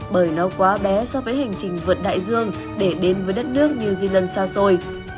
bởi nó quá bé so với hành trình vượt đại dương để đến với đất nước new zealand xa xôi